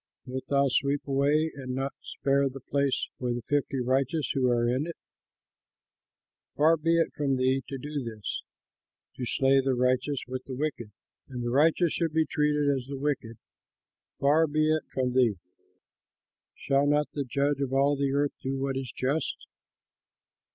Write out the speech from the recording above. Wilt thou sweep away and not spare the place for the fifty righteous who are in it? Far be it from thee to do this: to slay the righteous with the wicked! And that the righteous should be treated as the wicked, far be it from thee! Shall not the Judge of all the earth do what is just?"